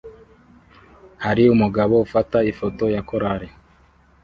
hari umugabo ufata ifoto ya korari